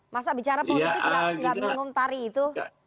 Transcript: masa bicara politik nggak mengontari itu